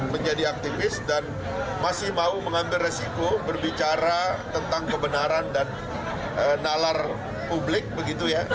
menjadi aktivis dan masih mau mengambil resiko berbicara tentang kebenaran dan nalar publik begitu ya